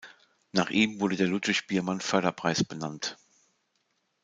Nach ihm wurde der Ludwig-Biermann-Förderpreis benannt.